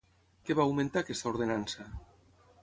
Què va augmentar aquesta ordenança?